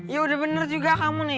ya udah bener juga kamu nih